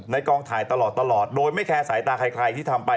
กองถ่ายตลอดโดยไม่แคร์สายตาใครที่ทำไป